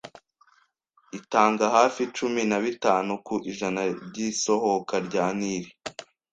itanga hafi cumi na bitanu ku ijana by'isohoka rya Nili.